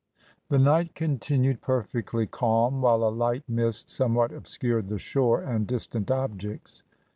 The night continued perfectly calm, while a light mist somewhat obscured the shore and distant objects.